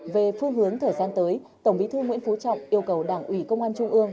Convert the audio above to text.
về phương hướng thời gian tới tổng bí thư nguyễn phú trọng yêu cầu đảng ủy công an trung ương